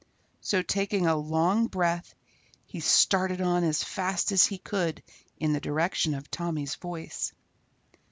So taking a long breath he started on as fast as he could in the direction of Tommy's voice.